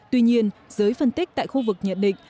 tuy nhiên giới phân tích tại khu vực nhận định